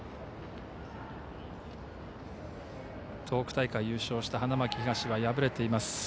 東北大会、優勝した花巻東は敗れています。